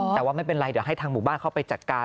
แต่ว่าไม่เป็นไรเดี๋ยวให้ทางหมู่บ้านเข้าไปจัดการ